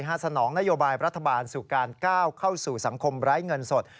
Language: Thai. สนองนโยบายรัฐบาลสู่การก้าวเข้าสู่สังคมไร้เงินสด